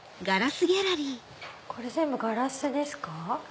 これ全部ガラスですか？